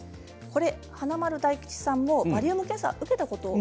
華丸・大吉さんもバリウム検査を受けたことは。